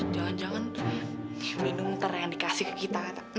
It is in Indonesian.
jangan jangan minum ntar yang dikasih ke kita ntar nih